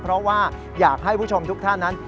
เพราะว่าอยากให้ผู้ชมทุกท่านนั้น